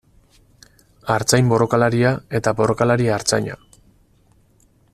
Artzain borrokalaria eta borrokalari artzaina.